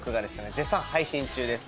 絶賛配信中です。